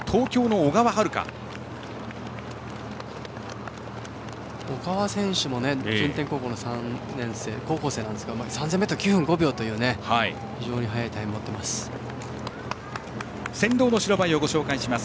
小川選手も高校生なんですが３０００ｍ、９分５秒という非常に速いタイムを持っています。